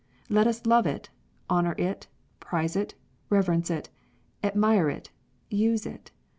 Let us love it, honour it, prize it, reverence it, admire it, use it.